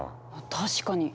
確かに！